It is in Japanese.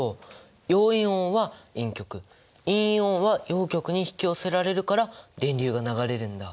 陽イオンは陰極陰イオンは陽極に引き寄せられるから電流が流れるんだ。